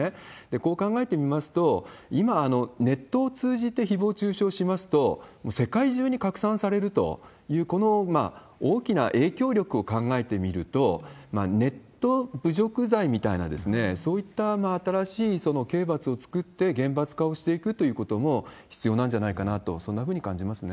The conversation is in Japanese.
こう考えてみますと、今、ネットを通じてひぼう中傷しますと、世界中に拡散されるという、この大きな影響力を考えてみると、ネット侮辱罪みたいな、そういった新しい刑罰を作って厳罰化をしていくってことも必要なんじゃないかなと、そんなふうに感じますね。